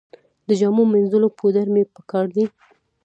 د جامو مینځلو پوډر مې په کار دي